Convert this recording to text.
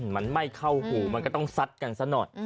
มันไม่เข้าหูมันก็ต้องซัดกันซะหน่อย